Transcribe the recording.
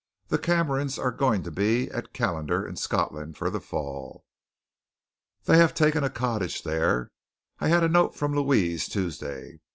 "The Camerons are to be at Callendar in Scotland for the fall. They have taken a cottage there. I had a note from Louise, Tuesday.